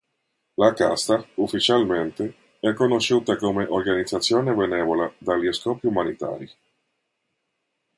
La casta, ufficialmente, è conosciuta come organizzazione benevola dagli scopi umanitari.